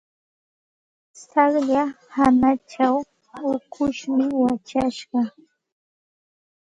Tsaqlla hanachaw ukushmi wachashqa.